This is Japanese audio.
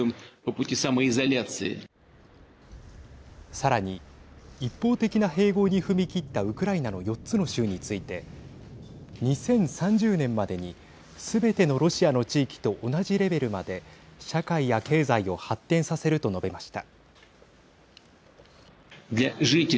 さらに一方的な併合に踏み切ったウクライナの４つの州について２０３０年までにすべてのロシアの地域と同じレベルまで社会や経済を発展させると述べました。